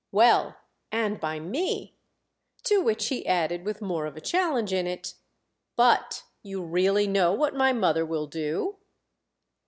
"Well, and by me." To which he added with more of a challenge in it: "But you really know what my mother will do?"